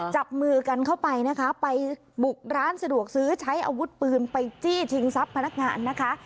จับมือกันเข้าไปนะคะไปบุกร้านสะดวกซื้อใช้อาวุธปืนไปจี้ชิงทรัพย์พนักงานนะคะ